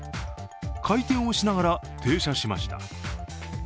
回転をしながら停車しました。